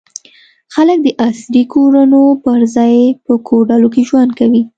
خلک د عصري کورونو پر ځای په کوډلو کې ژوند کوي.